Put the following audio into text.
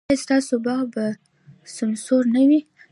ایا ستاسو باغ به سمسور نه وي؟